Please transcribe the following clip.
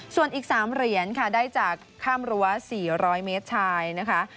ส่วนอีกสามเหรียญค่ะได้จากขั้มรัวสี่ร้อยเมตรชายนะคะ